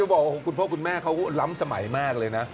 บอกว่าคุณพ่อคุณแม่เขาล้ำสมัยมากเลยนะ